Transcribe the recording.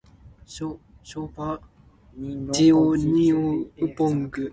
人為財死，鳥為食亡